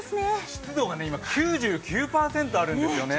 湿度が今、９９％あるんですよね。